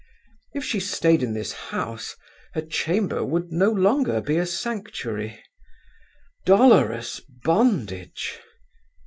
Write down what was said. If she stayed in this house her chamber would no longer be a sanctuary. Dolorous bondage!